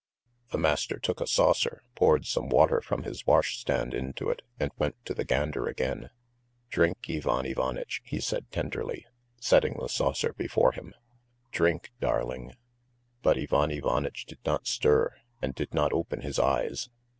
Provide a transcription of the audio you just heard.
The master took a saucer, poured some water from his wash stand into it, and went to the gander again. "Drink, Ivan Ivanitch!" he said tenderly, setting the saucer before him; "drink, darling." But Ivan Ivanitch did not stir and did not open his eyes.